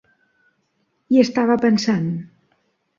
Hi estava pensant.